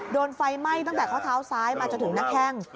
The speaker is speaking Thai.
โดนไฟไหม้ตั้งแต่ข้อเท้าซ้ายมาจนถึงหน้าแข้ง